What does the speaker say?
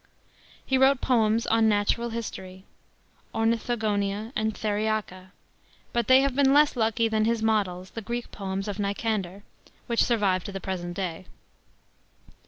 He wrote poems OD natural history (Ornithogonia and Theriaca), but they have been less lucky than his models, the Greek poems of Nicander, which survive to the present day.